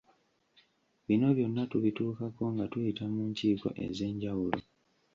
Bino byonna tubituukako nga tuyita mu nkiiko ez’enjawulo.